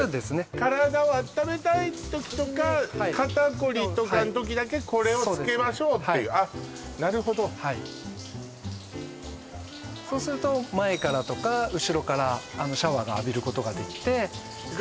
体を温めたい時とか肩こりとかの時だけこれをつけましょうっていうなるほどはいそうすると前からとか後ろからシャワーが浴びることができて何